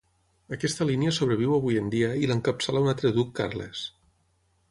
Aquesta línia sobreviu avui en dia i l'encapçala un altre Duc Carles.